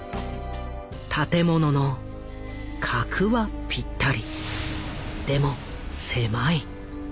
建物の「格」はぴったりでも「狭い」。